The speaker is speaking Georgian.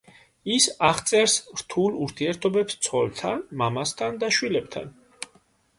ის აღწერს რთულ ურთიერთობებს ცოლთან, მამასთან და შვილებთან.